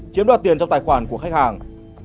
chiếm đoạt tiền trong tài khoản của khách hàng